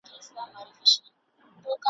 په هوا تللې جوپې د شاهینانو !.